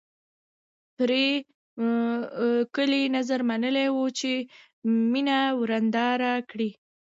پري ګلې نذر منلی و چې مینه ورېنداره کړي